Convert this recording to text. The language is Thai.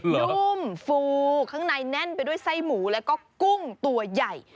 นุ่มฟูข้างในแน่นไปด้วยไส้หมูแล้วก็กุ้งตัวใหญ่